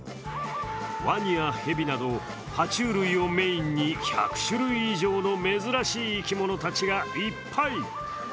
鰐や蛇など、は虫類をメインに１００種類以上の珍しい生き物たちがいっぱい。